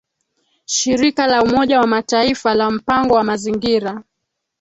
shirika la Umoja wa Mataifa la mpango wa mazingira